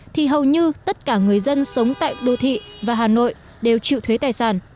thì hầu như tất cả người dân sống tại đô thị và hà nội đều chịu thuế tài sản